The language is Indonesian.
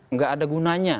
nggak ada gunanya